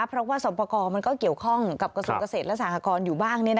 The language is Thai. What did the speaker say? เพราะว่าสอบประกอบมันก็เกี่ยวข้องกับกระทรวงเกษตรและสหกรอยู่บ้าง